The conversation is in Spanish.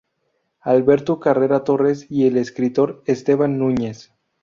Alberto Carrera Torres y el escritor Esteban Núñez.